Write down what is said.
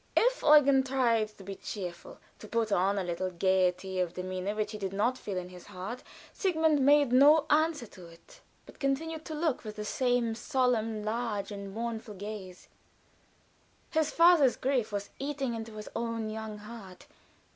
If Eugen tried to be cheerful, to put on a little gayety of demeanor which he did not feel in his heart, Sigmund made no answer to it, but continued to look with the same solemn, large and mournful gaze. His father's grief was eating into his own young heart.